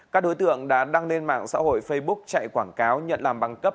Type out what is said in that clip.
các đối tượng đã đăng lên mạng xã hội facebook chạy quảng cáo nhận làm băng cấp